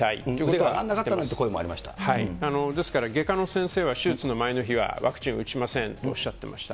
上がらなかったっていう声もですから、外科の先生は手術の前の日はワクチンは打ちませんとおっしゃってました。